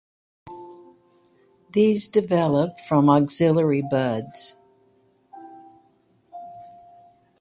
These develop from axillary buds.